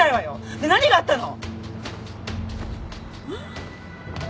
ねえ何があったの！？